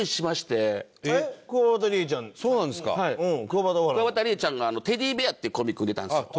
くわばたりえちゃんがテディベアっていうコンビ組んでたんですよ。